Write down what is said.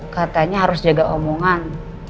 katanya harus jaga omongan